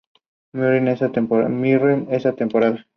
Leonor fue, como su madre, dama de palacio.